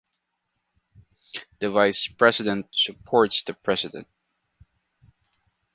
the vice president supports the president.